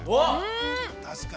確かに。